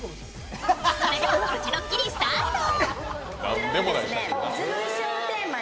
それではプチドッキリ、スタート！